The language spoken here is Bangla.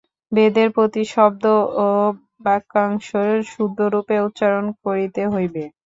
বেদের প্রতি শব্দ ও বাক্যাংশ শুদ্ধরূপে উচ্চারণ করিতে হইবে।